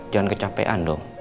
jangan kecapean dong